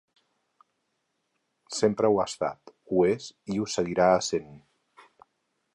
Sempre ho ha estat, ho és i ho seguirà essent.